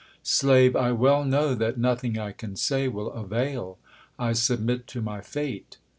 Slave, I well know that nothing I can say will avail. I submit to my fate.